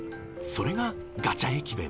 ［それがガチャ駅弁］